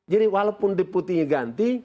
jadi walaupun deputinya ganti